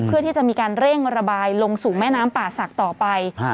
เพื่อที่จะมีการเร่งระบายลงสู่แม่น้ำป่าศักดิ์ต่อไป